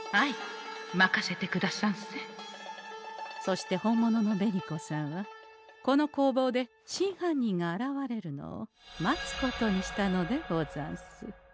そして本物の紅子さんはこの工房で真犯人が現れるのを待つことにしたのでござんす。